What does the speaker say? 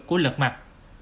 của lật mặt